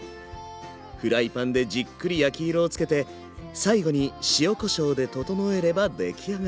フライパンでじっくり焼き色をつけて最後に塩・こしょうで調えれば出来上がり。